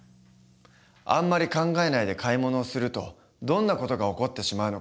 あんまり考えないで買い物をするとどんな事が起こってしまうのか。